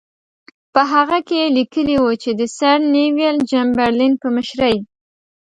په هغه کې یې لیکلي وو چې د سر نیویل چمبرلین په مشرۍ.